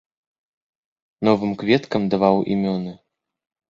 Новым кветкам даваў імёны.